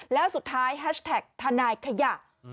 แล้วสุดท้ายแฮชแท็กทนายขยะ